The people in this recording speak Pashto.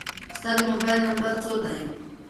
ستا د موبایل نمبر څو دی؟